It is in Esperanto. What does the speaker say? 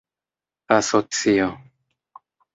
asocio